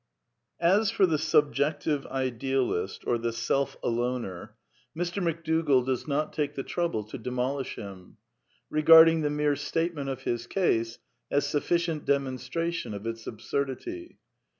As for the Subjective Idealist or the Self Aloner, Mr 78 A DEFENCE OF IDEALISM McDougall does not take the trouble to demolish him, re garding the mere statement of his case as sufficient demon stration of its absurdity.